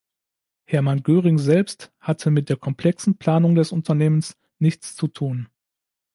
Hermann Göring selbst hatte mit der komplexen Planung des Unternehmens nichts zu tun.